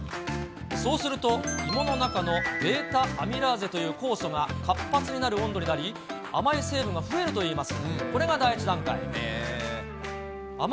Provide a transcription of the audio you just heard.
そうすると、芋の中のβーアミラーゼという酵素が活発になる温度になり、甘い成分が増えるといいます。